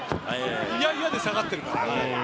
いやいやで下がってるから。